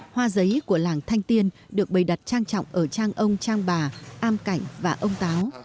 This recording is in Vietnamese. hoa giấy của làng thanh tiên được bày đặt trang trọng ở trang ông trang bà am cảnh và ông táo